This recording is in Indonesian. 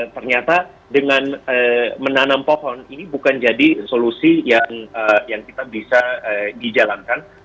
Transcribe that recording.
ternyata dengan menanam pohon ini bukan jadi solusi yang kita bisa dijalankan